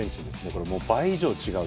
これもう倍以上違うという。